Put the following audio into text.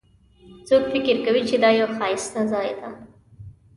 څوک فکر کوي چې دا یو ښایسته ځای ده